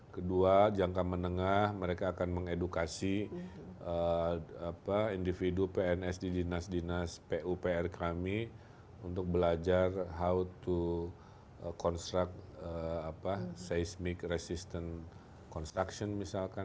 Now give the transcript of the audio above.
kedua jangka menengah mereka akan mengedukasi individu pns di dinas dinas pupr kami untuk belajar how to construct seismic resistant construction misalkan